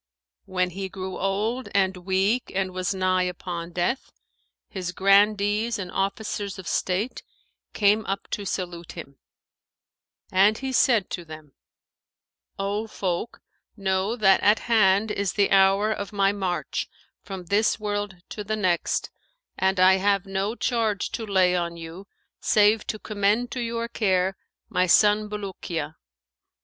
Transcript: When he grew old and weak and was nigh upon death, his Grandees and Officers of state came up to salute him, and he said to them, 'O folk, know that at hand is the hour of my march from this world to the next, and I have no charge to lay on you, save to commend to your care my son Bulukiya.'